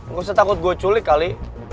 ga usah takut gua culik kali